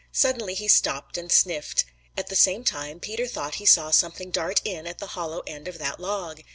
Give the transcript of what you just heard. Suddenly he stopped and sniffed. At the same time Peter thought he saw something dart in at the hollow end of that log.